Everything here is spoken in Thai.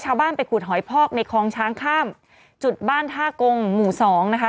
ชาวบ้านไปขุดหอยพอกในคลองช้างข้ามจุดบ้านท่ากงหมู่สองนะคะ